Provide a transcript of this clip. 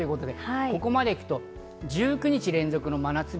ここまで行くと、１９日連続の真夏日。